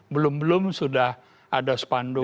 belum belum sudah ada spanduk